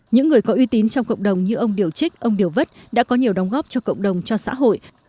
những người có uy tín trong cộng đồng như ông điều trích ông điều vất đã có nhiều đóng góp cho cộng đồng cho xã hội